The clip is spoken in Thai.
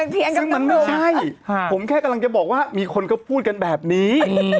ซึ่งมันไม่ใช่ผมแค่กำลังจะบอกว่ามีคนเขาพูดกันแบบนี้